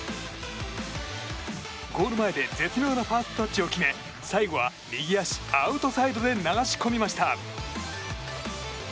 ゴール前で絶妙なファーストタッチを決め最後は右足アウトサイドで流し込みました。